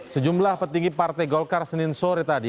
sejumlah petinggi partai golkar senin sore tadi